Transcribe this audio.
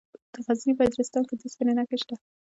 د غزني په اجرستان کې د اوسپنې نښې شته.